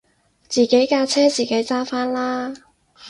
自己架車自己揸返啦